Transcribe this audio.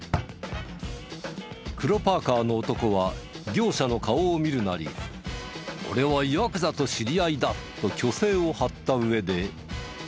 黒パーカーの男は業者の顔を見るなり「俺はヤクザと知り合いだ」と虚勢を張った上で。